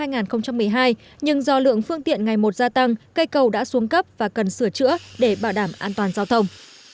cầu nông tiến đã được nâng cấp và sửa chữa vào năm hai nghìn một mươi hai nhưng do lượng phương tiện ngày một gia tăng cây cầu đã xuống cấp và cần sửa chữa để bảo đảm an toàn